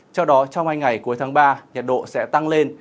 sau đó trong hai ngày cuối tháng ba nhiệt độ sẽ tăng lên